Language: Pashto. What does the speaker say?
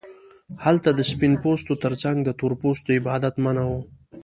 هلته د سپین پوستو ترڅنګ د تور پوستو عبادت منع و.